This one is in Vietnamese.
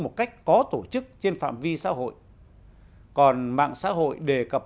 một cách có tổ chức trên phạm vi xã hội còn mạng xã hội đề cập